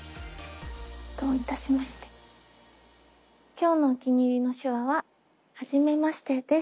今日のお気に入りの手話は「はじめまして」です。